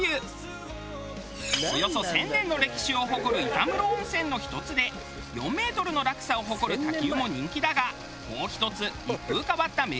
およそ１０００年の歴史を誇る板室温泉の１つで４メートルの落差を誇る滝湯も人気だがもう１つ一風変わった名物風呂があるという。